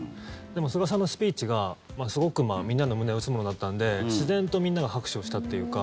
でも菅さんのスピーチがすごくみんなの胸を打つものだったので自然とみんなが拍手をしたっていうか。